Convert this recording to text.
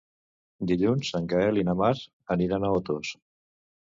Dilluns en Gaël i na Mar aniran a Otos.